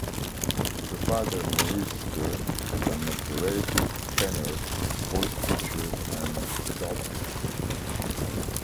Her father Maurice Stern is an operatic tenor, voice teacher and sculptor.